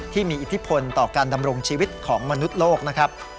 ที่มีอิทธิพลต่อการดำรงชีวิตของมนุษย์โลกนะครับ